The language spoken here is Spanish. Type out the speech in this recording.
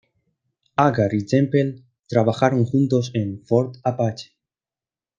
Agar y Temple trabajaron juntos en "Fort Apache".